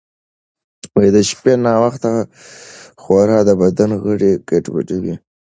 د شپې ناوخته خورا د بدن غړي ګډوډوي.